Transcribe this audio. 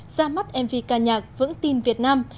ra mắt mv ca nhạc vững tim việt nam